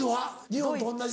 日本と同じ？